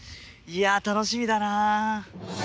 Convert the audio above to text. いや楽しみだなあ。